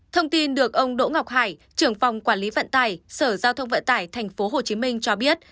thông tin được ông đỗ ngọc hải trưởng phòng quản lý vận tải sở giao thông vận tải tp hcm cho biết